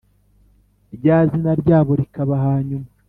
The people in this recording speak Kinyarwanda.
rya zina ryabo rikajya hanyuma,